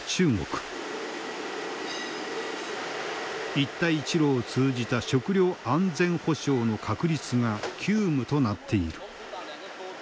一帯一路を通じた食糧安全保障の確立が急務となっている。